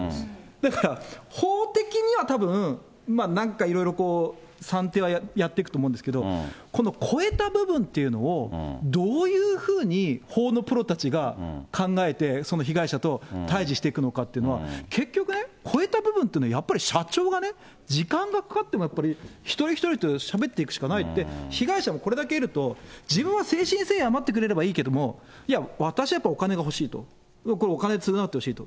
だから、法的にはたぶん、なんかいろいろ算定はやっていくと思うんですけど、この超えた部分っていうのを、どういうふうに法のプロたちが考えて、その被害者と対じしていくのかっていうのは、結局ね、超えた部分っていうのはやっぱり社長がね、時間がかかってもやっぱり一人一人としゃべっていくしかない、被害者もこれだけいると、自分は誠心誠意謝ってくれればいいけども、いや、私はやっぱお金が欲しいと、お金で償ってほしいと。